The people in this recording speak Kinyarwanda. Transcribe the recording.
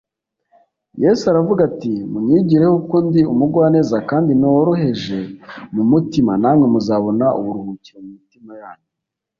yesu aravuga ati: “munyigireho kuko ndi umugwaneza kandi noroheje mu mutima, namwe muzabona uburuhukiro mu mitima yanyu